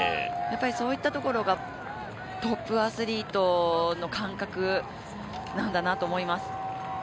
そういったところが、トップアスリートの感覚なんだなと思います。